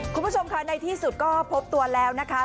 คุณผู้ชมค่ะในที่สุดก็พบตัวแล้วนะคะ